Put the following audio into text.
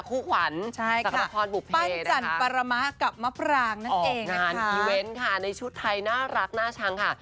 คู่ขวัญสักละครปุ๊บเพนะคะออกงานอีเวนต์ค่ะในชุดไทยน่ารักน่าช้างค่ะ